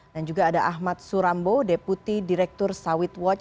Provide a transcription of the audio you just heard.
dan juga ada ahmad surambo deputi direktur sawit watch